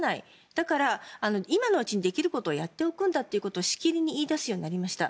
だから、今のうちにできることをやっておくんだということをしきりに言い出すようになりました。